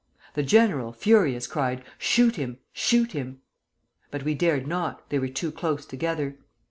The general, furious, cried, 'Shoot him! shoot him!' But we dared not, they were too close together.